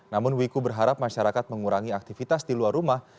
namun wiku berharap masyarakat mengurangi aktivitas di luar rumah